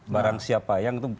barang siapa yang itu